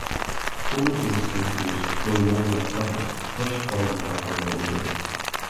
Cold-based glaciers flow more like putty, pushed forward by their own weight.